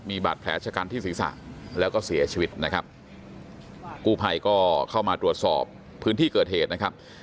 มีบาดแผลชะกันที่ศีรษะแล้วก็เสียชีวิตนะครับกู้ภัยก็เข้ามาตรวจสอบพื้นที่เกิดเหตุนะครับ